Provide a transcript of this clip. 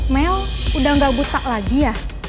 mel udah gak buta lagi ya